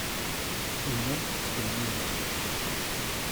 Llant ttkemmilent.